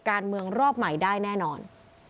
การเมืองรอบใหม่ได้แน่นอน